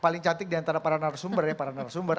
paling cantik diantara para narasumber ya para narasumber